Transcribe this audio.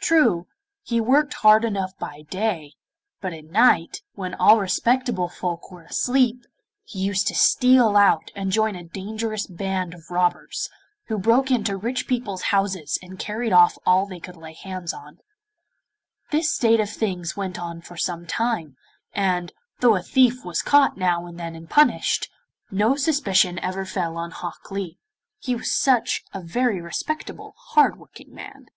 True, he worked hard enough by day, but at night, when all respectable folk were fast asleep, he used to steal out and join a dangerous band of robbers, who broke into rich people's houses and carried off all they could lay hands on. This state of things went on for some time, and, though a thief was caught now and then and punished, no suspicion ever fell on Hok Lee, he was such a very respectable, hard working man.